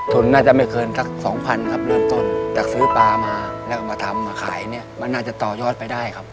น่าจะไม่เกินสักสองพันครับเริ่มต้นจากซื้อปลามาแล้วมาทำมาขายเนี่ยมันน่าจะต่อยอดไปได้ครับ